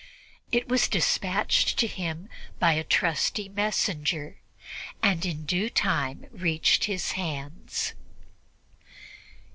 It was dispatched to him by a trusty messenger and in due time reached his hands.